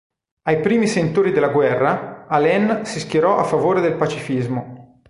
Ai primi sentori della guerra, Alain si schierò a favore del pacifismo.